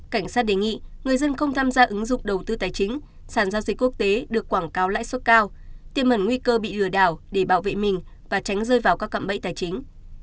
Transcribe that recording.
cảnh sát đề nghị người dân không tham gia ứng dụng đầu tư tài chính sản giao dịch quốc tế được quảng cáo lãi suất cao tiêm mẩn nguy cơ bị lừa đảo để bảo vệ mình và tránh rơi vào các cậm bẫy tài chính